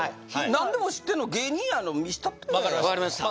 なんでも知ってんの芸人やいうの見したってやわかりました